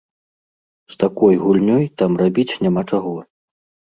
З такой гульнёй там рабіць няма чаго.